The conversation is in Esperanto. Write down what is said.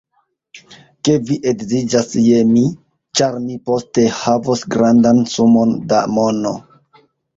Ke vi edziĝas je mi, ĉar mi poste havos grandan sumon da mono.